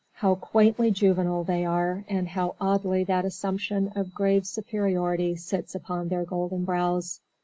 How quaintly juvenile they are, and how oddly that assumption of grave superiority sits upon their golden brows!